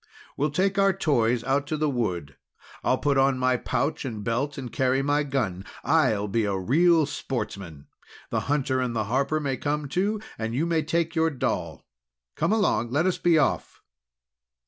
"We'll take our toys out to the wood. I'll put on my pouch and belt, and carry my gun. I'll be a real sportsman! The hunter and the harper may come, too. And you may take your doll. Come along! Let's be off!"